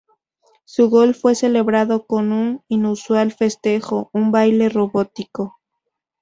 Su gol fue celebrado con un inusual festejo, un baile robótico.